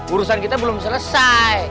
urusan kita belum selesai